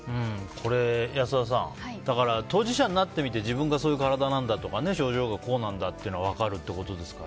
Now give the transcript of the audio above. これ、安田さん当事者になってみて自分がそういう体なんだとか症状がこうなんだというのが分かると。